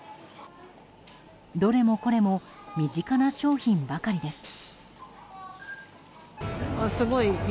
どれもこれも身近な商品ばかりです。